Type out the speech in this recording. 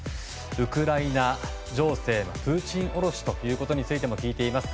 ウクライナ情勢はプーチンおろしということも聞いています。